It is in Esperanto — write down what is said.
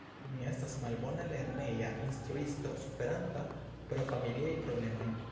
Mi estas malbona lerneja instruisto, suferanta pro familiaj problemoj.